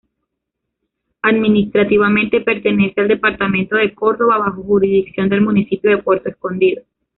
Administrativamente pertenece al departamento de Córdoba, bajo jurisdicción del municipio de Puerto Escondido.